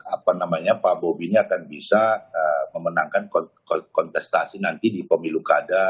apa namanya pak bobi ini akan bisa memenangkan kontestasi nanti di pemilu kada